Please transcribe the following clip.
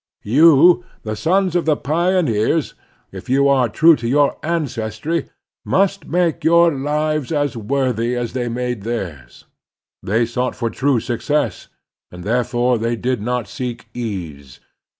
You, the sons of the pioneers, if you are true to your ancestry, must make your lives as worthy as they made theirs. They sought for true success, and therefore they did not seek ease.